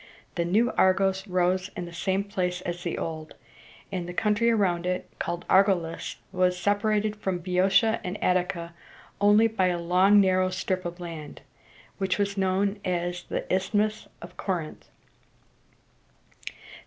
The new Argos rose on the same place as the old; and the country around it, called Ar´go lis, was separated from Boeotia and Attica only by a long narrow strip of land, which was known as the Isthmus of Cor´ inth.